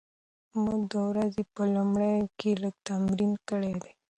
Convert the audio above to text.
موږ د ورځې په لومړیو کې لږ تمرین کړی دی.